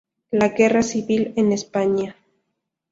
La guerra Civil en España.